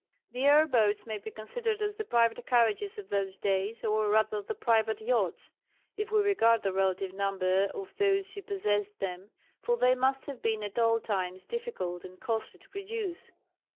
The air boats may be considered as the private carriages of those days, or rather the private yachts, if we regard the relative number of those who possessed them, for they must have been at all times difficult and costly to produce.